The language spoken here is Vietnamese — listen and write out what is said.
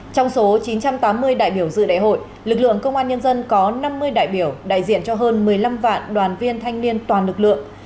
trong số chín trăm tám mươi đại biểu dự đại hội lực lượng công an nhân dân có năm mươi đại biểu đại diện cho hơn một mươi năm vạn đoàn viên thanh niên toàn lực lượng